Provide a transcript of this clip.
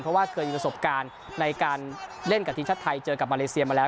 เพราะว่าเคยมีประสบการณ์ในการเล่นกับทีมชาติไทยเจอกับมาเลเซียมาแล้ว